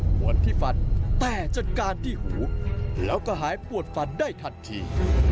วนที่ฟันแต่จัดการที่หูแล้วก็หายปวดฟันได้ทันที